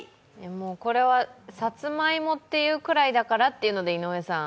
これはさつまいもっていうくらいだからっていうので、井上さん